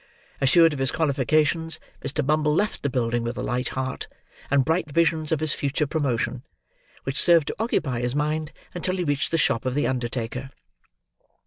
Assured of his qualifications, Mr. Bumble left the building with a light heart, and bright visions of his future promotion: which served to occupy his mind until he reached the shop of the undertaker.